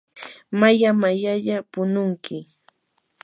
maya mayalla pununki.